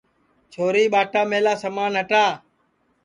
چھوری ٻاٹا مِلا سمان ہٹا